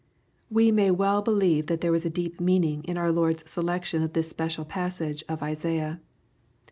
We may well believe that there was a deep meaning in oar Lord's selection of this special passage of Isaiah.